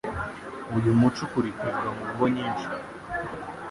Uyu muco ukurikizwa mu ngo nyinshi.